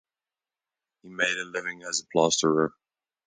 He made a living as a plasterer.